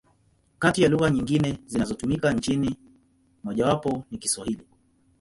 Kati ya lugha nyingine zinazotumika nchini, mojawapo ni Kiswahili.